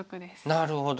なるほど。